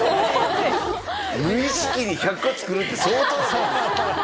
無意識に１００個作るって相当なもんですよ。